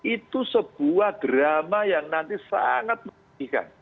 itu sebuah drama yang nanti sangat menyedihkan